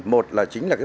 một là chính là phần